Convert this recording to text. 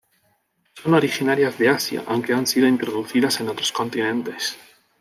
Son originarias de Asia aunque han sido introducidas en otros continentes.